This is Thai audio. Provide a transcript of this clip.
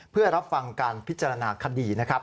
เพื่อรับฟังการพิจารณาคดีนะครับ